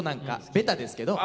ベタですけど。